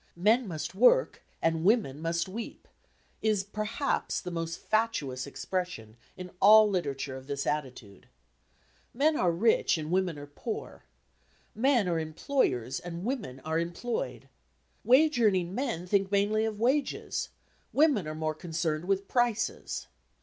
"Men must work and women must weep" is perhaps the most fatuous expression in all literature of this attitude. Men are rich and women are poor. Men are employers and women are employed. Wage earning men think mainly of wages, women are more concerned with prices.